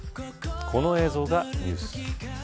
この映像がニュース。